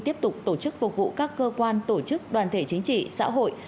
tiếp tục tổ chức phục vụ các cơ quan tổ chức đoàn thể chính trị xã hội